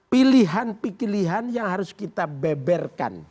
pilihan pilihan yang harus kita beberkan